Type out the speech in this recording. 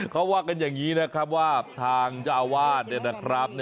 เขาว่ากันอย่างนี้นะครับว่าทางเจ้าอาวาสเนี่ยนะครับ